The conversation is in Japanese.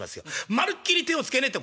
まるっきり手をつけねえって